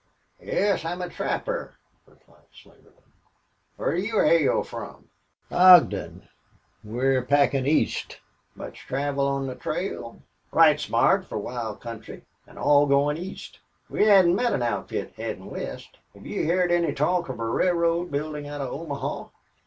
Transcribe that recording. "Yes. I'm a trapper," replied Slingerland. "Whar do you hail from?" "Ogden. We're packin' east." "Much travel on the trail?" "Right smart fer wild country. An' all goin' east. We hain't met an outfit headin' west. Hev you heerd any talk of a railroad buildin' out of Omaha?"